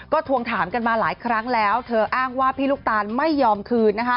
ทวงถามกันมาหลายครั้งแล้วเธออ้างว่าพี่ลูกตาลไม่ยอมคืน